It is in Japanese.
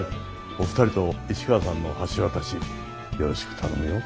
お二人と市川さんの橋渡しよろしく頼むよ。